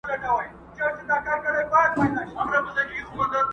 راته وګوره په مینه سر کړه پورته له کتابه!!